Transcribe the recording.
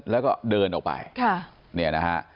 แล้วก็เดินออกไป